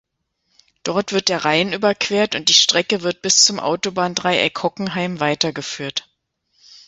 Dort wird der Rhein überquert und die Strecke wird bis zum Autobahndreieck Hockenheim weitergeführt.